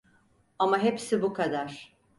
Ama hepsi bu kadar.